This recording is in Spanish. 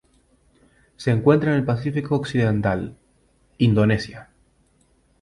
Se encuentra en el Pacífico occidental: Indonesia.